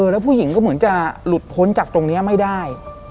แล้วผู้หญิงก็เหมือนจะหลุดพ้นจากตรงนี้ไม่ได้